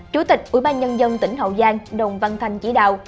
chủ tịch ubnd tỉnh hậu giang đồng văn thanh chỉ đạo